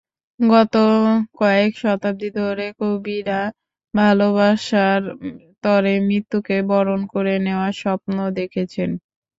গত কয়েক শতাব্দী ধরে কবিরা ভালোবাসার তরে মৃত্যুকে বরণ করে নেওয়ার স্বপ্ন দেখেছেন!